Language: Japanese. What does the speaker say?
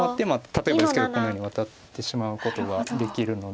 例えばですけどこのようにワタってしまうことができるので。